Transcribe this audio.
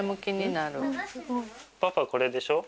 パパこれでしょ。